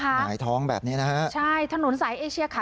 หงายท้องแบบนี้นะฮะใช่ถนนสายเอเชียค่ะ